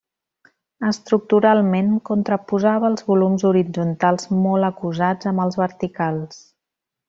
Estructuralment contraposava els volums horitzontals molt acusats amb els verticals.